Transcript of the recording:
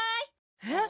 えっ？